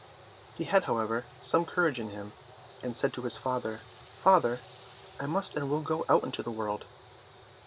He had, however, some courage in him, and said to his father, "Father, I must and will go out into the world."